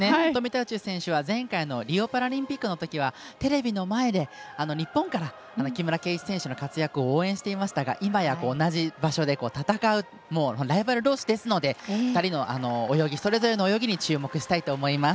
宇宙選手は前回のリオパラリンピックのときはテレビの前で日本から木村敬一選手の活躍を応援していましたがいまや同じ場所で戦うライバルどうしですので２人の泳ぎに注目したいと思います。